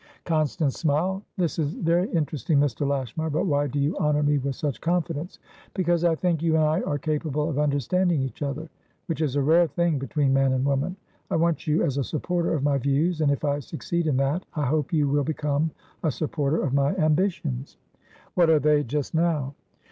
Constance smiled. "This is very interesting, Mr. Lashmar. But why do you honour me with such confidence?" "Because I think you and I are capable of understanding each other, which is a rare thing between man and woman. I want you as a supporter of my views, and, if I succeed in that, I hope you will become a supporter of my ambitions." "What are they, just now?"